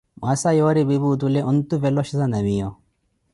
Mwaasa yoori piipi otule ontuvela oxheza na miyo.